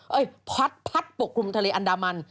พัดพัดปกคลุมทะเลอันดามัน